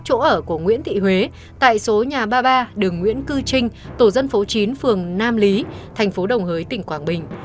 chỗ ở của nguyễn thị huế tại số nhà ba mươi ba đường nguyễn cư trinh tổ dân phố chín phường nam lý thành phố đồng hới tỉnh quảng bình